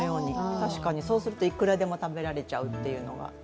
確かにそうするといくらでも食べられちゃうという。